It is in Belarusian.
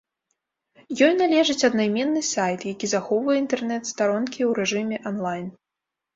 Ёй належыць аднайменны сайт, які захоўвае інтэрнэт-старонкі ў рэжыме анлайн.